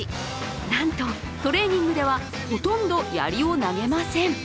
なんと、トレーニングではほとんど、やりを投げません。